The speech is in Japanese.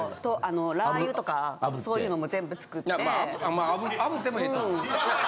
まあ炙ってもええと思う。